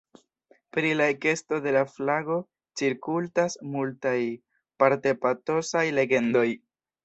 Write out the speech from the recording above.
Pri la ekesto de la flago cirkultas multaj, parte patosaj legendoj.